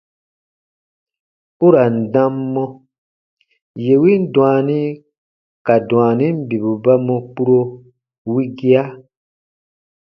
U ra n dam mɔ : yè win dwaani ka dwaanin bibu ba mɔ kpuro wigia.